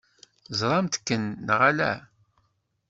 Ẓṛant-kem neɣ ala?